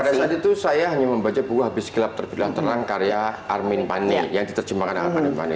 pada saat itu saya hanya membaca buku habis gelap terbilang terang karya armin panni yang diterjemahkan dengan armin panni